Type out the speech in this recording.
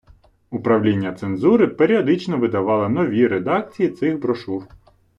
Управління цензури періодично видавало нові редакції цих брошур.